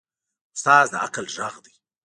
استاد د عقل غږ دی.